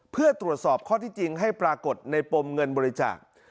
เพื่อตรวจสอบข้อที่จริงให้ปรากฏในปมเงินบริจาค